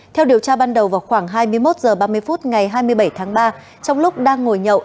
theo điều tra ban đầu vào khoảng hai mươi một h ba mươi phút ngày hai mươi bảy tháng ba trong lúc đang ngồi nhậu